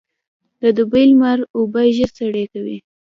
د دوبي لمر اوبه ژر سرې کوي.